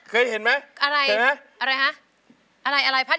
เกรงผมเขาสมมุมคุ้มใหม่ครับ